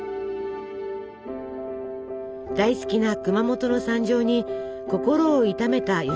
大好きな熊本の惨状に心を痛めた吉崎さん。